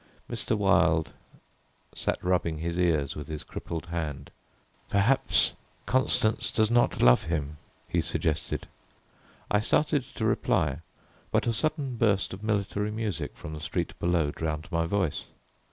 Mr. Wilde sat rubbing his ears with his crippled hand. "Perhaps Constance does not love him," he suggested. I started to reply, but a sudden burst of military music from the street below drowned my voice.